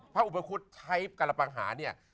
อุปคุฎใช้กรปังหาเนี่ย